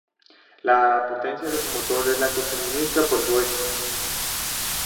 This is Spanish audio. La potencia de un motor es la que se suministra por su eje.